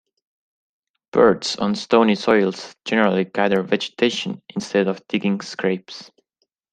Birds on stony soils generally gather vegetation instead of digging scrapes.